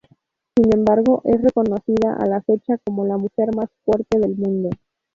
Sin embargo, es reconocida a la fecha como la mujer más fuerte del mundo.